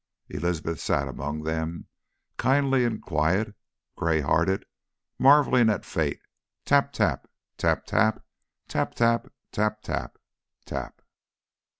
Elizabeth sat among them, kindly and quiet, grey hearted, marvelling at Fate: tap, tap, tap; tap, tap, tap; tap, tap, tap.